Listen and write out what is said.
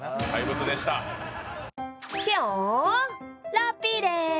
ラッピーです。